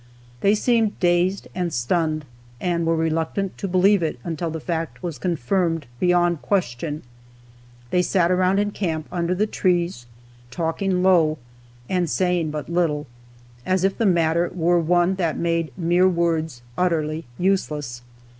They seemed dazed and stunned, and were reluctant to believe it, until the fact was confirmed beyond question. They sat around in camp under the trees, talking low, and saying but little, as if the matter were one that made mere words utterly useless.